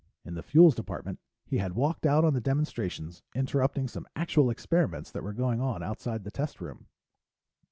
In the Fuels Department, he had walked out on the demonstrations, interrupting some actual experiments that were going on outside the test room.